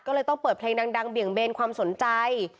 ก็เลยต้องเปิดเพลงดังเบี่ยงเบนความสนใจ